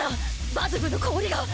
バズヴの氷が。